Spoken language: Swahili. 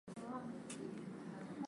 ya kaskazini ya mabara ya Ulaya na Asia